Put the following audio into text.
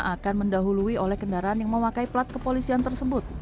akan mendahului oleh kendaraan yang memakai plat kepolisian tersebut